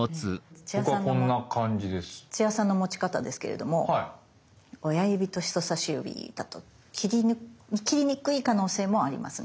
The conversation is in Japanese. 土屋さんの持ち方ですけれども親指と人さし指だと切りにくい可能性もありますね。